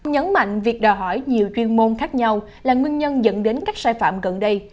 nhấn mạnh việc đòi hỏi nhiều chuyên môn khác nhau là nguyên nhân dẫn đến các sai phạm gần đây